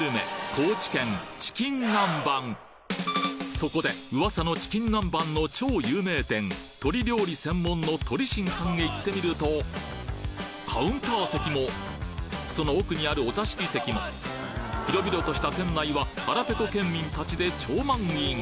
そこで噂のチキンナンバンの超有名店鳥料理専門の鳥心さんへ行ってみるとカウンター席もその奥にあるお座敷席も広々とした店内は腹ペコ県民達で超満員！